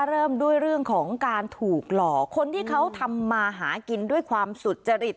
เริ่มด้วยเรื่องของการถูกหลอกคนที่เขาทำมาหากินด้วยความสุจริต